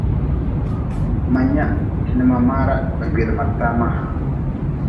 Ma nyea n ma maara ba gwedma tama.